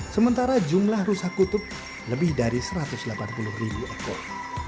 sementara jumlah rusak kutub lebih dari satu ratus delapan puluh ribu ekor